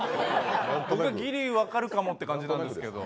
僕はギリ分かるかなって感じなんですけど。